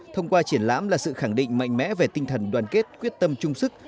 thông qua triển lãm là sự khẳng định mạnh mẽ về tinh thần đoàn kết quyết tâm chung sức